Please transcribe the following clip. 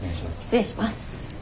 失礼します。